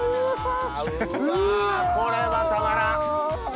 うわこれはたまらん！